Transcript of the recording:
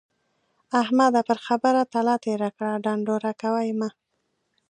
احمده! پر خبره تله تېره کړه ـ ډنډوره کوه يې مه.